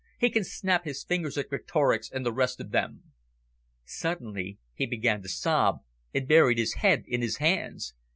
He can snap his fingers at Greatorex and the rest of them." Suddenly he began to sob, and buried his head in his hands.